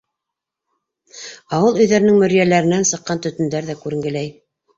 Ауыл өйҙәренең мөрйәләренән сыҡҡан төтөндәр ҙә күренгеләй.